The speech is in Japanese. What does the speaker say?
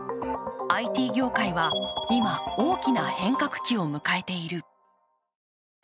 ＩＴ業界は今、大きな変革期を迎えている。